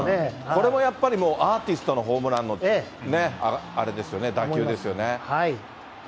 これもやっぱりもう、アーティストのホームランのあれですよはい。